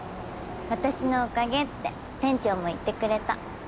私のおかげって店長も言ってくれた。